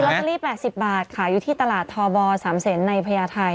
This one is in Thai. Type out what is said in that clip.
ลอตเตอรี่๘๐บาทขายอยู่ที่ตลาดทบ๓เซนในพญาไทย